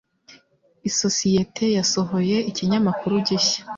Isosiyete yasohoye ikinyamakuru gishya.